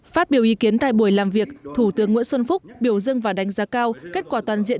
phát biểu ý kiến tại buổi làm việc thủ tướng nguyễn xuân phúc biểu dưng và đánh giá cao kết quả toàn diện